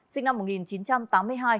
sinh năm một nghìn chín trăm tám mươi hai